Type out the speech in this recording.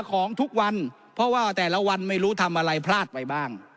ของทุกวันเพราะว่าแต่ละวันไม่รู้ทำอะไรพลาดไปบ้าง